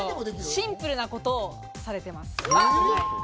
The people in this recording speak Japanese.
シンプルなことをされてます。